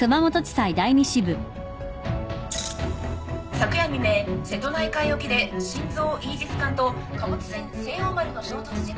昨夜未明瀬戸内海沖で新造イージス艦と貨物船西央丸の衝突事故が発生しました。